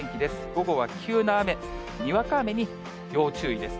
午後は急な雨、にわか雨に要注意です。